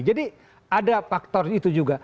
jadi ada faktor itu juga